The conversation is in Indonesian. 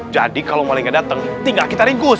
jadi kalau malingnya datang tinggal kita ringkus